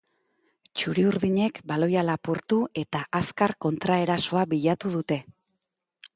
Txuri-urdinek baloia lapurtu eta azkar kontraerasoa bilatu dute.